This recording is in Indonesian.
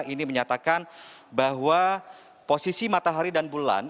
ini menyatakan bahwa posisi matahari dan bulan